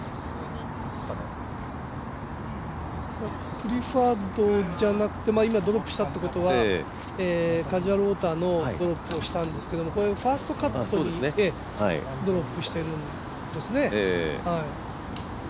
プリファードじゃなくて、今ドロップしたっていうことはカジュアルウォーターのドロップをしたんですけどファーストカットにドロップしてるんですね。